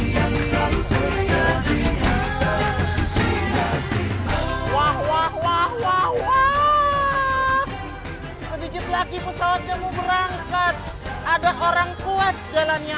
jangan lupa tonton video selanjutnya